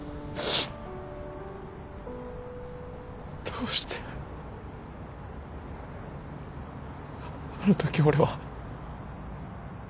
どうしてあのとき俺は。